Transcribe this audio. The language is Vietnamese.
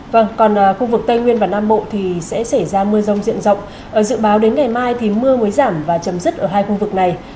vâng còn khu vực tây nguyên và nam bộ thì sẽ xảy ra mưa rông diện rộng dự báo đến ngày mai thì mưa mới giảm và chấm dứt ở hai khu vực này